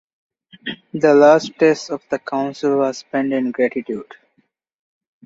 The last days of the council were spent in gratitude.